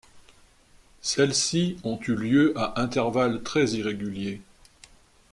Celles-ci ont eu lieu à intervalles très irréguliers.